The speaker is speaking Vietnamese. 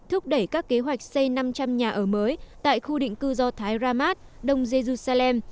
thúc đẩy các kế hoạch xây năm trăm linh nhà ở mới tại khu định cư do thái ramad đông jerusalem